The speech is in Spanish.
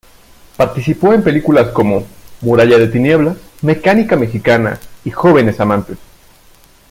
Participó en películas como "Muralla de tinieblas", "Mecánica mexicana" y "Jóvenes amantes".